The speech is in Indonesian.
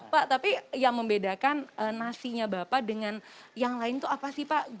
pak tapi yang membedakan nasinya bapak dengan yang lain itu apa sih pak